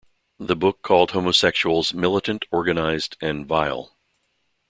The book called homosexuals "militant, organized" and "vile.